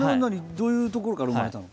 どういうところから生まれたの？